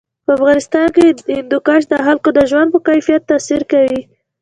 په افغانستان کې هندوکش د خلکو د ژوند په کیفیت تاثیر کوي.